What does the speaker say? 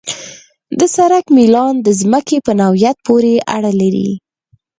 د سړک میلان د ځمکې په نوعیت پورې اړه لري